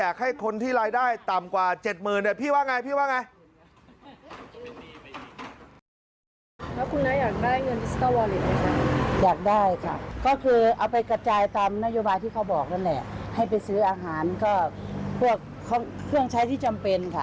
ก็คือเอาไปกระจายตามนโยบายที่เขาบอกนั่นแหละให้ไปซื้ออาหารก็พวกเครื่องใช้ที่จำเป็นค่ะ